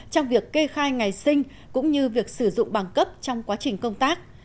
trong việc kê khai ngày sinh cũng như việc sử dụng bằng cấp trong quá trình công tác